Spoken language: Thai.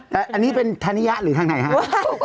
ใช่นี่เป็นธรรมยาหรือทางไหนครับ